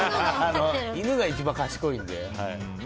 犬が一番賢いので。